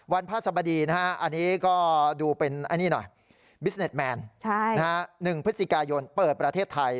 วันพระสมดีอันนี้ก็ดูเป็นบิสเน็ตแมนหนึ่งพฤศจิกายนเปิดประเทศไทย